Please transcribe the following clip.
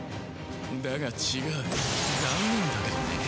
だが違う残念だけどね。